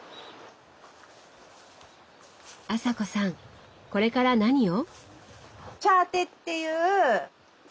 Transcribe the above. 麻子さんこれから何を？